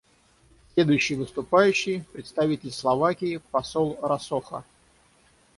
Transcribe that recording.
Следующий выступающий — представитель Словакии посол Росоха.